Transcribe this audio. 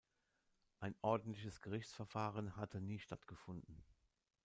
Ein ordentliches Gerichtsverfahren hatte nie stattgefunden.